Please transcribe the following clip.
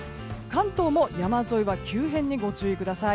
関東も山沿いは急変にご注意ください。